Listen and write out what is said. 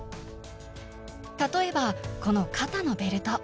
例えばこの肩のベルト。